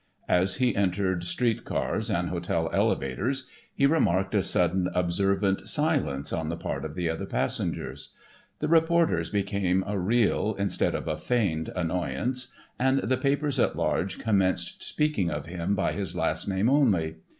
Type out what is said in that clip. As he entered street cars and hotel elevators he remarked a sudden observant silence on the part of the other passengers. The reporters became a real instead of a feigned annoyance and the papers at large commenced speaking of him by his last name only.